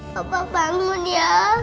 papa bangun ya